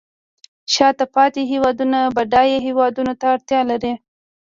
شاته پاتې هیوادونه بډایه هیوادونو ته اړتیا لري